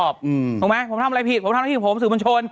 ไฟหน้าค่ะคุณผู้ชม